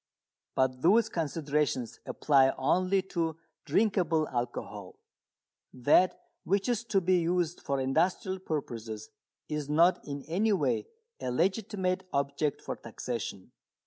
But those considerations apply only to drinkable alcohol. That which is to be used for industrial purposes is not in any way a legitimate object for taxation.